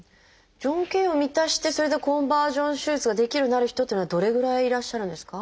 条件を満たしてそれでコンバージョン手術ができるようになる人っていうのはどれぐらいいらっしゃるんですか？